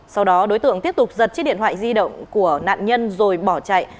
sau đó đối tượng tiếp tục giật chiếc điện thoại di động của nạn nhân rồi bỏ chạy